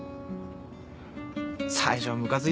最初はムカついたな。